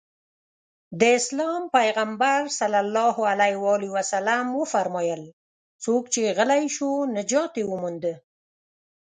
د اسلام پيغمبر ص وفرمايل څوک چې غلی شو نجات يې ومونده.